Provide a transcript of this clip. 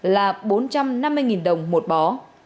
là bốn trăm năm mươi đồng một bó